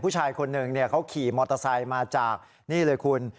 ผู้ชายคนหนึ่งเขาขี่มอเตอร์ไซค์มาจากนี่เลยคุณ